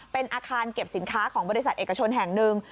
เป็นอาคารเก็บสินค้าของบริษัทเอกชนแห่งหนึ่ง